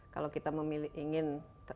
kalau kita ingin